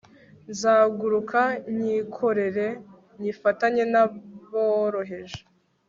nzaguruka nyikorere nyifatanye n'aboroheje